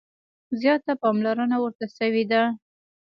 زیاته پاملرنه ورته شوې ده.